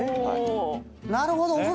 なるほど。